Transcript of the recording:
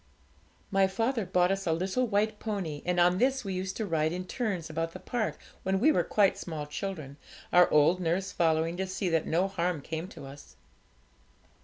My father bought us a little white pony, and on this we used to ride in turns about the park when we were quite small children, our old nurse following, to see that no harm came to us.